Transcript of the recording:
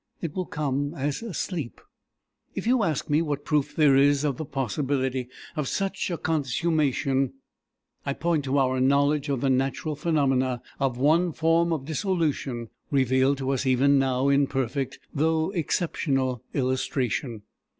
It will come as a sleep. If you ask me what proof there is of the possibility of such a consummation, I point to our knowledge of the natural phenomena of one form of dissolution revealed to us even now in perfect, though exceptional, illustration.